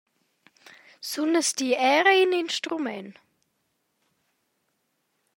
Sunas ti era in instrument?